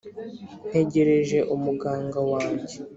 ntegereje muganga wanjye